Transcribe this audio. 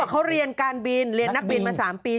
เขาเรียนการบินเรียนนักบินมา๓ปี